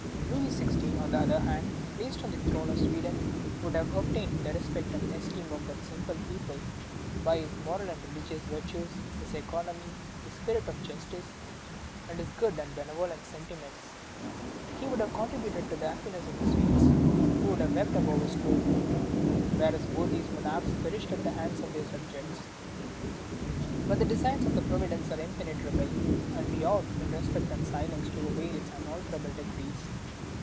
Louis XVI., on the other hand, placed on the throne of Sweden, would have obtained the respect and esteem of that simple people by his moral and religious virtues, his economy, his spirit of justice, and his good and benevolent sentiments. He would have contributed to the happiness of the Swedes, who would have wept above his tomb; whereas both these monarchs perished at the hands of their subjects. But the designs of Providence are impenetrable, and we ought, in respect and silence, to obey its unalterable decrees."